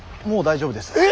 もう大丈夫です。